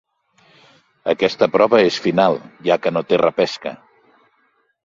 Aquesta prova és final, ja que no té repesca.